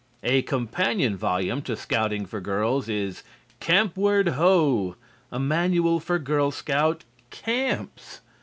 A companion volume to "Scouting for Girls" is "Campward, Ho!" a manual for Girl Scout camps.